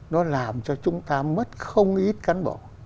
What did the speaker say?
nó làm cho chúng ta mất không ít cán bộ